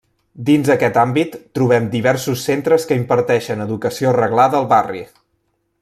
Dins aquest àmbit trobem diversos centres que imparteixen educació reglada al barri.